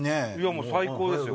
もう最高ですよ